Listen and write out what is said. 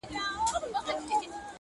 كه په رنگ باندي زه هر څومره تورېږم!!